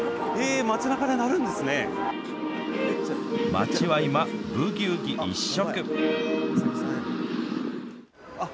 町は今、ブギウギ一色。